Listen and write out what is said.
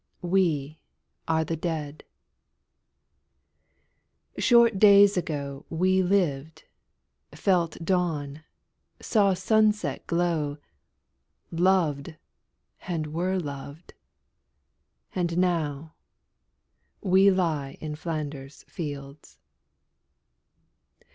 We are the Dead. Short days ago We lived, felt dawn, saw sunset glow, Loved, and were loved, and now we lie In Flanders fields.